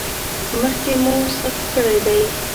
مخکې مو سقط کړی دی؟